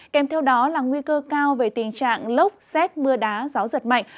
kèm theo đó là nguy cơ cao về tình trạng lốc xét mưa đá gió giật mạnh